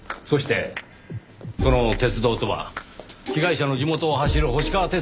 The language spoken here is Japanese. そしてその鉄道とは被害者の地元を走る星川